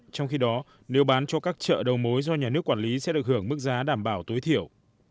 trong khi đó nếu bán cho các chợ đầu mối do nhà nước quản lý sẽ được hưởng mức giá đảm bảo tối thiểu